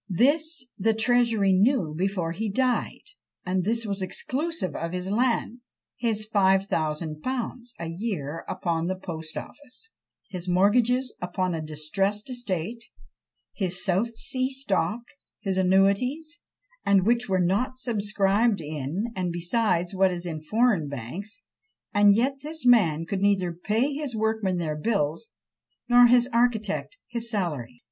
This the Treasury knew before he died, and this was exclusive of his 'land;' his 5000_l._ a year upon the post office; his mortgages upon a distressed estate; his South Sea stock; his annuities, and which were not subscribed in, and besides what is in foreign banks; and yet this man could neither pay his workmen their bills, nor his architect his salary.